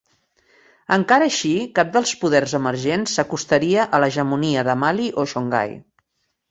Encara així, cap dels poders emergents s'acostaria a l'hegemonia de Mali o Songhai.